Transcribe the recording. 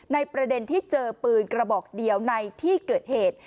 ประเด็นที่เจอปืนกระบอกเดียวในที่เกิดเหตุ